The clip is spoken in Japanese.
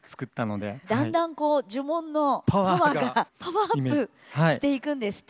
だんだんこう呪文のパワーがパワーアップしていくんですって。